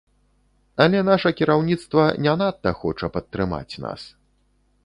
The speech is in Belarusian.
Але наша кіраўніцтва не надта хоча падтрымаць нас.